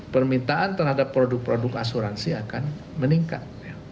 permintaan terhadap produk produk asuransi akan meningkat